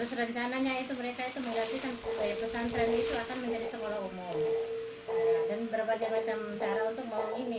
dan berbagai macam cara untuk menghubungi ini